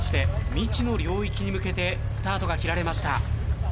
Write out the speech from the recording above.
未知の領域に向けてスタートが切られました。